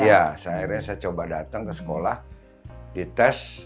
iya seharusnya saya coba datang ke sekolah dites